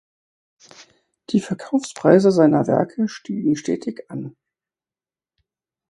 Die Verkaufspreise seiner Werke stiegen stetig an.